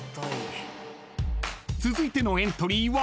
［続いてのエントリーは］